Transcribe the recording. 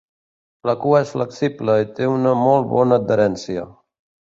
La cua és flexible i té una molt bona adherència.